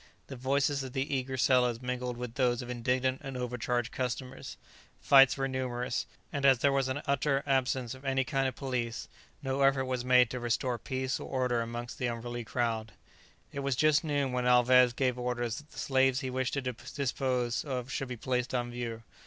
The voices of the eager sellers mingled with those of indignant and overcharged customers; fights were numerous, and as there was an utter absence of any kind of police, no effort was made to restore peace or order amongst the unruly crowd. It was just noon when Alvez gave orders that the slaves he wished to dispose of should be placed on view.